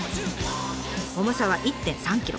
重さは１．３ｋｇ。